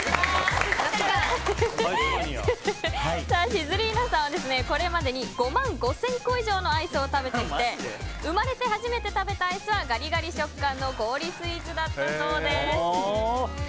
シズリーナさんはこれまでに５万５０００個以上のアイスを食べてきて生まれて初めて食べたアイスはガリガリ食感の氷スイーツだったそうです。